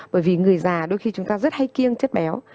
bởi vì người già đôi khi chúng ta rất hay kiêng chất béo